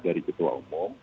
dari ketua omong